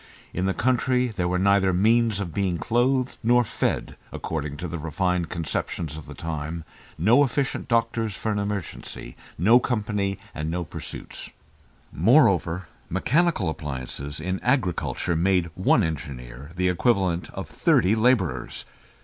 In the country were neither means of being clothed nor fed (according to the refined conceptions of the time), no efficient doctors for an emergency, no company and no pursuits. Moreover, mechanical appliances in agriculture made one engineer the equivalent of thirty labourers.